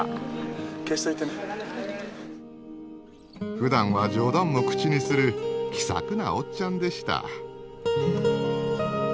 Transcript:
ふだんは冗談も口にする気さくなおっちゃんでした。